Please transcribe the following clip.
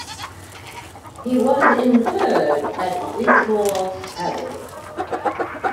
He was interred at Wigmore Abbey.